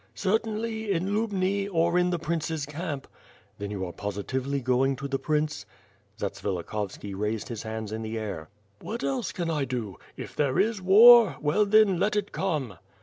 "Certainly, in Lubni, or in the Prince's camp." "Then you are positively going to the prince?" Zatsvilikhovski raised his hands in the air. "What else can I do? if there is war, well then, let it come!"